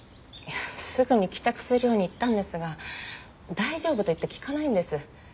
すぐに帰宅するように言ったんですが大丈夫と言って聞かないんです。